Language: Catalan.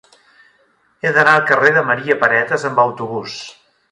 He d'anar al carrer de Maria Paretas amb autobús.